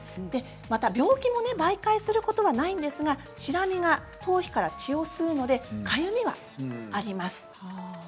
また病気も媒介することはないんですが、シラミが頭皮から血を吸うので、かゆみがあります。